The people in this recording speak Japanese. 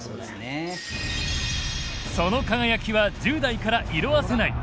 その輝きは１０代から色あせない。